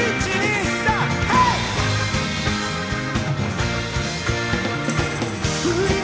はい！